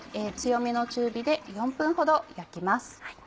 強めの中火で４分ほど焼きます。